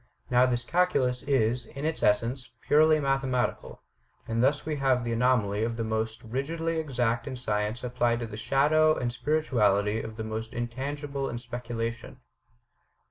Now this Calculus is, in its essence, purely mathematical; and thus we have the anomaly of the most rigidly exact in science applied to the shadow and spirituality of the most intangible in speculation."